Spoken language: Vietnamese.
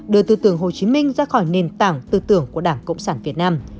đưa tư tưởng hồ chí minh ra khỏi nền tảng tư tưởng của đảng cộng sản việt nam